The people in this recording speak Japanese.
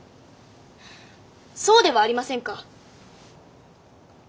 そうではありませんか？